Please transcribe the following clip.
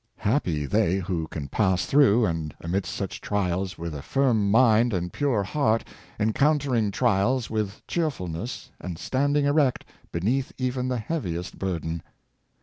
Happy they who can pass through and amidst such trials with a firm mind and pure heart, encountering trials with cheerfulness, and standing erect beneath even the heaviest burden!